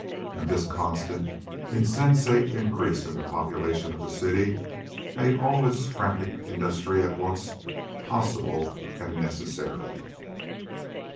And this constant, insensate increase in the population of the city made all its frantic industry at once possible and necessary.